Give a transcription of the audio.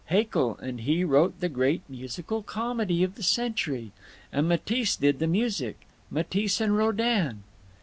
Haeckel and he wrote the great musical comedy of the century. And Matisse did the music—Matisse and Rodin."